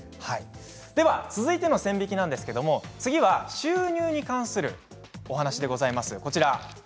では続いての線引きなんですけども収入に関するお話でございます。